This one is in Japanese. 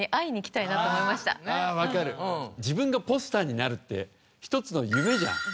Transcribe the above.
自分がポスターになるって一つの夢じゃん。